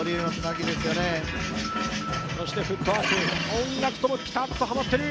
音楽ともピタッとはまっている。